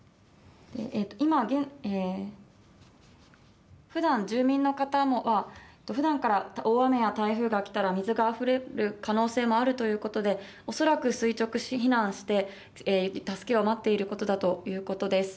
今、現、ええふだん住民の方はふだんから大雨や台風がきたら水があふれる可能性もあるということで恐らく垂直避難して助けを待っていることだということです。